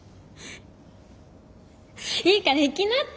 いいから行きなって。